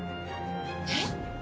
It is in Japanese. えっ？